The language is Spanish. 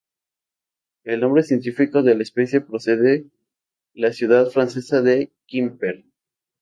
El nombre científico de la especie procede la ciudad francesa de Quimper.